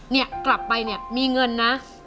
เนี่ยกลับไปเนี่ยมีเงินนะ